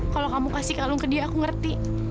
kalau kamu kasih kalung ke dia aku ngerti